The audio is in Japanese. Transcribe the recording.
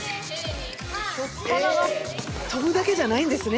跳ぶだけじゃないんですね。